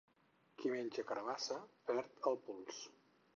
Qui menja carabassa, perd el pols.